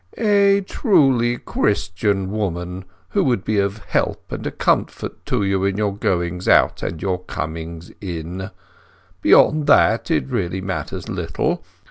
"A truly Christian woman, who will be a help and a comfort to you in your goings out and your comings in. Beyond that, it really matters little.